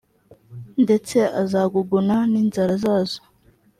ndetse azaguguna n inzara zazo